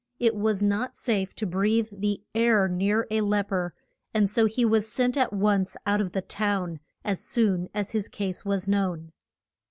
It was not safe to breathe the air near a lep er, and so he was sent at once out of the town, as soon as his case was known.